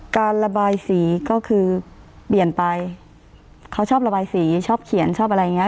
การระบายสีก็คือเปลี่ยนไปเขาชอบระบายสีชอบเขียนชอบอะไรอย่างเงี้